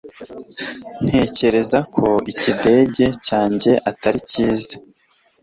ntekereza ko ikidage cyanjye atari cyiza